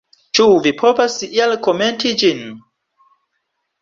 Ĉu vi povas iel komenti ĝin?